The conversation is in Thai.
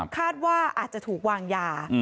คาดว่าอาจจะถูกวางยา